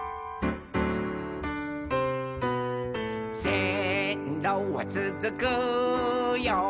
「せんろはつづくよ